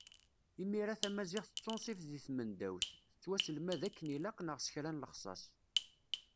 Imir-a tamaziɣt d tunṣibt di tmendawt, tettwaselmad akken ilaq neɣ s kra n lexṣaṣ.